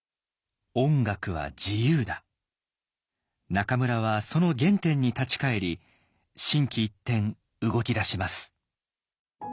中村はその原点に立ち返り心機一転動き出します。